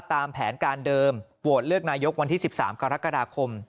ตามแผนการเดิมโหวตเลือกนายกวันที่๑๓กรกฎาคม